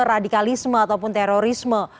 radikalisme ataupun terorisme